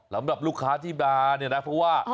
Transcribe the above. สำหรับลูกค้าที่มาเนี่ยนะเพราะว่า